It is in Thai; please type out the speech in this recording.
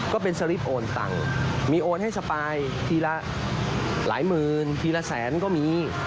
ก็เป็นสลิปโอนตังค์มีโอนให้สปายทีละหลายหมื่นทีละแสนก็มี